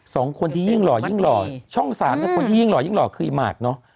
สองคนที่ยิ่งหล่อยิ่งหล่อช่องสามเนี่ยคนที่ยิ่งหล่อยิ่งหล่อคืออีหมากเนอะ